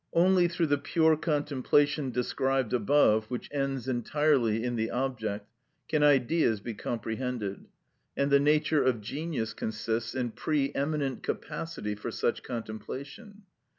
Only through the pure contemplation described above, which ends entirely in the object, can Ideas be comprehended; and the nature of genius consists in pre eminent capacity for such contemplation.